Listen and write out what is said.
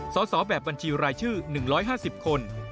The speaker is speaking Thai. สอบแบบบัญชีรายชื่อ๑๕๐คน